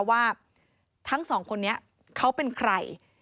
ว่าทั้งสองคนนี้เขาเป็นใคร